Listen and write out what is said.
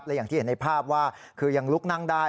และอย่างที่เห็นในภาพว่าคือยังลุกนั่งได้